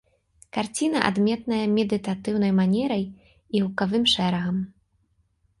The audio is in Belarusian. Карціна адметная медытатыўнай манерай і гукавым шэрагам.